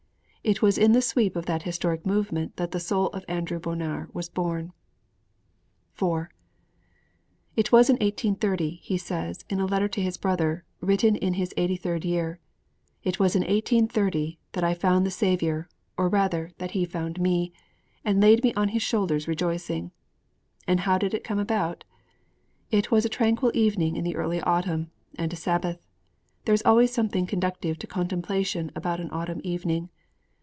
It was in the sweep of that historic movement that the soul of Andrew Bonar was born. IV 'It was in 1830,' he says, in a letter to his brother, written in his eighty third year, 'it was in 1830 that I found the Saviour, or rather, that He found me, and laid me on His shoulders rejoicing.' And how did it all come about? It was a tranquil evening in the early autumn, and a Sabbath. There is always something conducive to contemplation about an autumn evening.